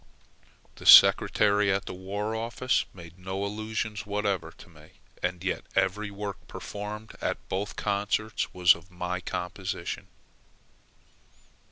The secretary at the War Office made no allusion whatever to me, and yet every work performed at both concerts was of my composition.